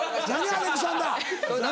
アレクサンダー何？